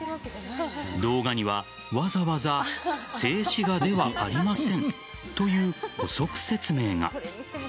動画には、わざわざ静止画ではありませんという補足説明が。